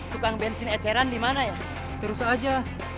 tukang bensin eceran dimana ya terus aja